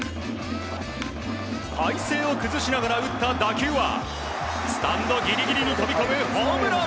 体勢を崩しながら打った打球はスタンドギリギリに飛び込むホームラン。